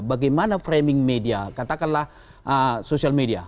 bagaimana framing media katakanlah social media